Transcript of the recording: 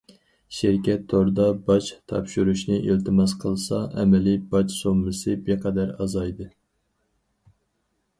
شىركەت توردا باج تاپشۇرۇشنى ئىلتىماس قىلسا، ئەمەلىي باج سوممىسى بىر قەدەر ئازايدى.